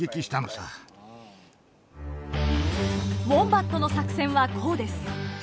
ウォンバットの作戦はこうです。